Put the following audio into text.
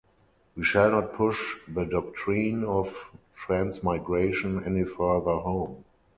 We shall not push the doctrine of transmigration any further home.